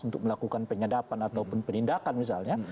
untuk melakukan penyedapan atau penindakan misalnya